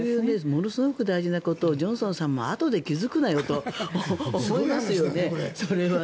ものすごく大事なことをジョンソンさんもあとで気付くなよと思いますよね。